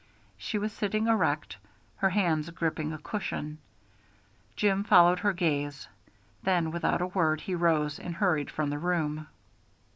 She was sitting erect, her hands gripping a cushion. Jim followed her gaze, then without a word he rose and hurried from the room.